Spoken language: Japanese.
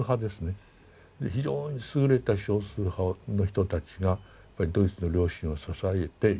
非常に優れた少数派の人たちがドイツの良心を支えていた。